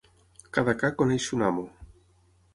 Cada ca coneix son amo.